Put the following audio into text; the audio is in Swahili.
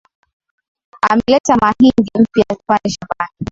Ameleta mahindi mpya tupande shambani